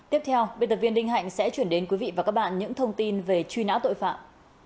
tiếp theo biên tập viên đinh hạnh sẽ chuyển đến quý vị và các bạn những thông tin về truy nã tội phạm